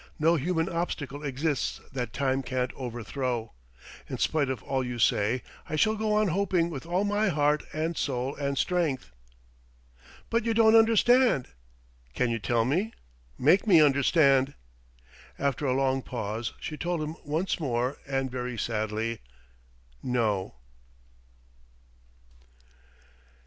No human obstacle exists that time can't overthrow. In spite of all you say, I shall go on hoping with all my heart and soul and strength." "But you don't understand " "Can you tell me make me understand?" After a long pause, she told him once more, and very sadly: "No."